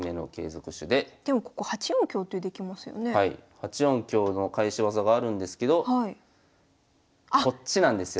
８四香の返し技があるんですけどこっちなんですよ。